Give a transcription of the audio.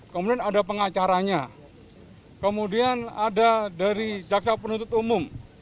kemudian ada pengacaranya kemudian ada dari jaksa penuntut umum